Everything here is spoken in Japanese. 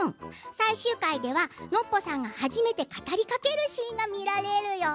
最終回ではノッポさんが初めて語りかけるシーンが見られるよ。